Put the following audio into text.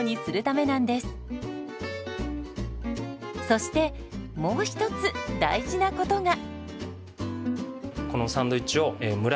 そしてもう一つ大事なことが。